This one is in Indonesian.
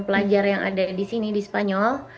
pelajar yang ada di sini di spanyol